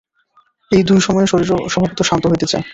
এই দুই সময়ে শরীরও স্বভাবত শান্ত হইতে চায়।